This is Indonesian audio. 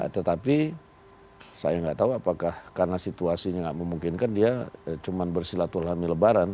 tetapi saya gak tahu apakah karena situasinya gak memungkinkan dia cuman bersilaturahmi lebaran